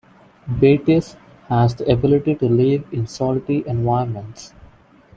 "Batis" has the ability to live in salty environments.